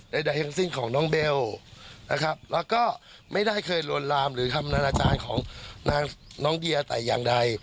ใดทั้งสิ้นของน้องเบลนะครับแล้วก็ไม่ได้เคยลวนลามหรือคำนานาจารย์ของนางน้องเดียแต่อย่างใด